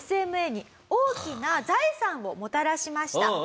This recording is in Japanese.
ＳＭＡに大きな財産をもたらしました。